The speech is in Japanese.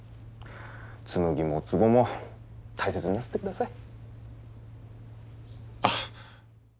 紬も壺も大切になさってください。